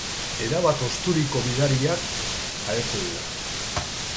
Erabat hozturiko bidaiariak agertu dira.